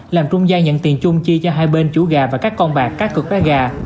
làm trung gia nhận tiền chung chi cho hai bên chủ gà và các con bạc cát cực ra gà